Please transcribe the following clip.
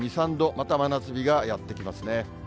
また真夏日がやって来ますね。